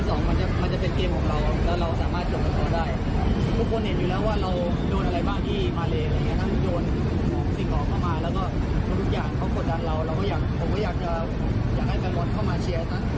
ก็ไม่ดีที่สุดเลยเพราะรอบชิ้นก็ได้